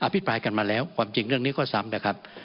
พิปรายกันมาแล้วความจริงเรื่องนี้ก็ซ้ำนะครับ